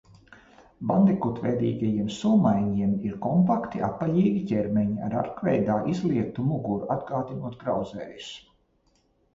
Bandikutveidīgajiem somaiņiem ir kompakti, apaļīgi ķermeņi ar arkveidā izliektu muguru, atgādinot grauzējus.